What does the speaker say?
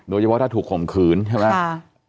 โดยเฉพาะถ้าถูกข่มขืนใช่ไหม